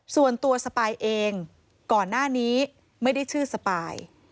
ส่วนตัวสปายเองก่อนหน้านี้ไม่ได้ชื่อสปาย